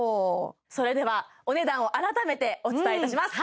それではお値段を改めてお伝えいたします